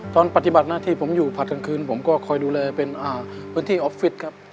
ปฏิบัติหน้าที่ผมอยู่ผัดกลางคืนผมก็คอยดูแลเป็นพื้นที่ออฟฟิศครับ